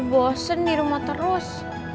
bosen di rumah terus